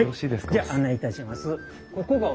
はいじゃあ案内いたします。